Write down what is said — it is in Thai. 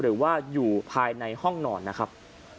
หรือว่าอยู่ภายในห้องนอนนะครับ